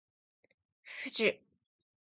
ｆｆｊ